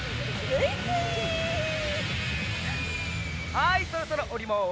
はいそろそろおります。